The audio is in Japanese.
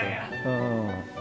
うん。